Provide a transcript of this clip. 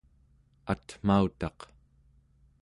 atmautaq